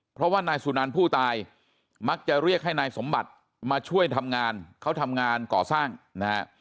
เพราะว่านายสุนันผู้ตายมักจะเรียกให้นายสมบัติมาช่วยทำงานเขาทำงานก่อสร้างนะฮะ